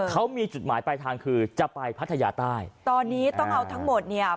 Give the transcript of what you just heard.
เขามีจุดหมายปลายทางคือจะไปพัทยาใต้ตอนนี้ต้องเอาทั้งหมดเนี่ย